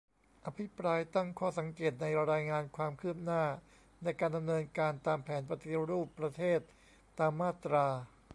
อภิปรายตั้งข้อสังเกต ในรายงานความคืบหน้าในการดำเนินการตามแผนปฏิรูปประเทศตามมาตรา